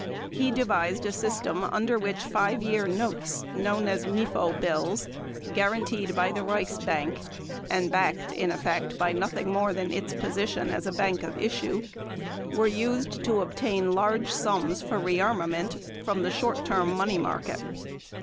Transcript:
He devised a system under which 5 year notes, known as Mefo bills, guaranteed by the Reichsbank and backed, in effect, by nothing more than its position as a bank of issue, were used to obtain large sums for rearmament from the short term money market.